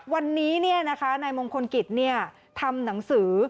วันนี้นายมงคลกิจทำหนังสือ